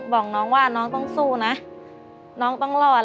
บอกน้องว่าน้องต้องสู้นะน้องต้องรอด